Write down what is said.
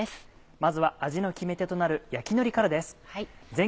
まずは味の決め手となる焼きのりからです。